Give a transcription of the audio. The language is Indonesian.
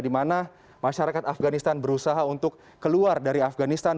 di mana masyarakat afghanistan berusaha untuk keluar dari afghanistan